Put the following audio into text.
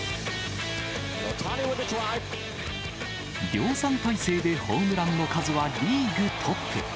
量産体制でホームランの数はリーグトップ。